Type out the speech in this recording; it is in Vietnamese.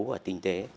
và tinh tế